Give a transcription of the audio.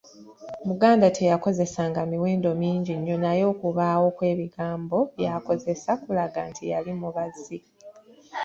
Omuganda teyakozesanga miwendo mingi nnnyo naye okubaawo kw’ebigambo by’akozesa kulaga nti yali mubazi.